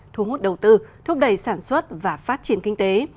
thu hút đầu tư thúc đẩy sản xuất và phát triển kinh tế